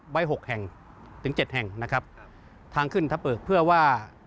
ไว้หกแห่งถึงเจ็ดแห่งนะครับทางขึ้นทะเปิกเพื่อว่า